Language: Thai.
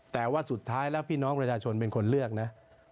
แต่ว่าสุดท้ายแล้วพี่น้องประชาชนเป็นคนเลือกนะ